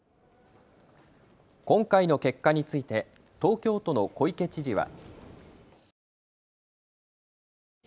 今回の結果について東京都の小池知事は。